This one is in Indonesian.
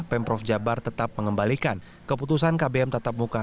pemprov jabar tetap mengembalikan keputusan kbm tatap muka